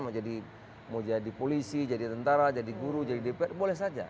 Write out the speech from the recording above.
mau jadi polisi jadi tentara jadi guru jadi dpr boleh saja